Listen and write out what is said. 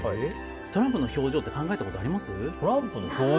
トランプの表情考えたことあります？